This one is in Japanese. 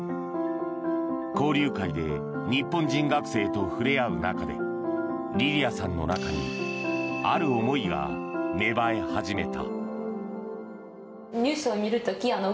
交流会で日本人学生と触れ合う中でリリアさんの中にある思いが芽生え始めた。